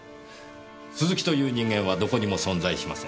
鈴木という人間はどこにも存在しません。